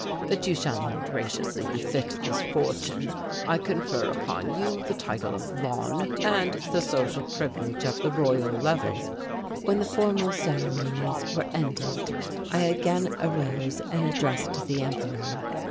That you shall more graciously befit this fortune I confer upon you the title of 'von' and the social privilege of the Royal Level." When the formal ceremonies were ended I again arose and addressed the Emperor.